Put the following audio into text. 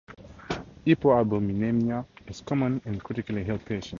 Hypoalbuminemia is common in critically ill patients.